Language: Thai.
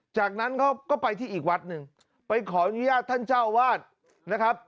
จากนั้นเขาก็ไปที่อีกวัดหนึ่งไปขออนุญาตท่านเจ้าวาดนะครับ